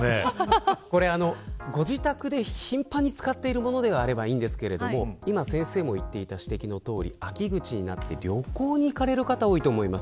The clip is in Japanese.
これ、ご自宅で頻繁に使っているものであればいいんですが今、先生も言っていた指摘のとおり秋口になって旅行に行かれる方、多いと思います。